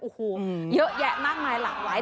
โอ้โหเยอะแยะมากมายหลากหลายไว้